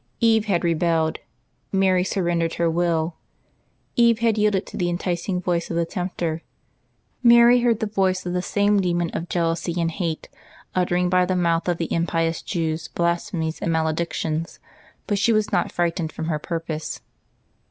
Eve had rebelled; Mary surren dered her will. Eve had yielded to the enticing voice of the tempter; Mary heard the voice of the same demon of jealousy and hate, uttering by the mouth of the impious Jews blasphemies and maledictions, but she was not fright ened from her purpose.